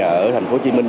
ở thành phố hồ chí minh